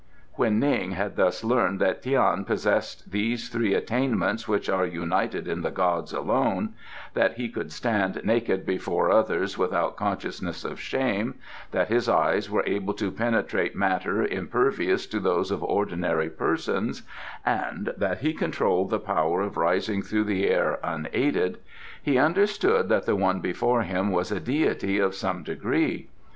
When Ning had thus learned that Tian possessed these three attainments which are united in the gods alone that he could stand naked before others without consciousness of shame, that his eyes were able to penetrate matter impervious to those of ordinary persons, and that he controlled the power of rising through the air unaided he understood that the one before him was a deity of some degree.